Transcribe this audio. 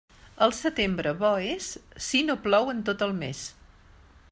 El setembre bo és, si no plou en tot el mes.